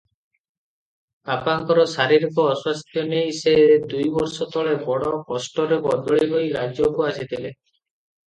ବାପାଙ୍କର ଶାରୀରିକ ଅସ୍ୱାସ୍ଥ୍ୟ ନେଇ ସେ ଦୁଇବର୍ଷ ତଳେ ବଡ଼ କଷ୍ଟରେ ବଦଳି ହୋଇ ରାଜ୍ୟକୁ ଆସିଥିଲେ!